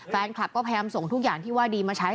แฟนคลับก็พยายามส่งทุกอย่างที่ว่าดีมาใช้